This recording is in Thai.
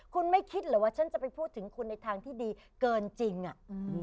คุณไม่คิดเหรอว่าฉันจะไปพูดถึงคุณในทางที่ดีเกินจริงอ่ะอืม